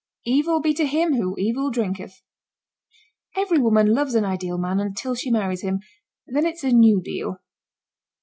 Evil be to him who evil drinketh. Every woman loves an ideal man until she marries him then it's a new deal.